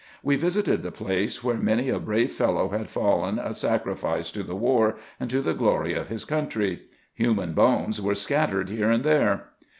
We visited the place, where many a brave fellow had fallen a sacrifice to the war, and to the glory of his country. Human bones were scattered here and there.